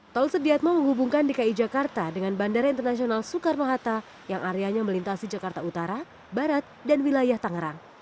tol sediatmo menghubungkan dki jakarta dengan bandara internasional soekarno hatta yang areanya melintasi jakarta utara barat dan wilayah tangerang